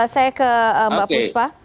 saya ke mbak puspa